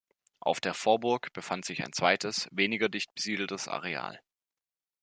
Auf der Vorburg befand sich ein zweites, weniger dicht besiedeltes Areal.